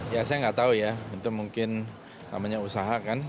ya saya nggak tahu ya itu mungkin namanya usaha kan